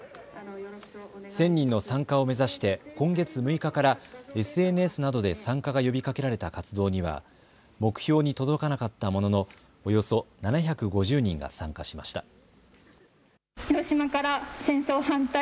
１０００人の参加を目指して今月６日からＳＮＳなどで参加が呼びかけられた活動には目標に届かなかったもののおよそ７５０人が参加しました。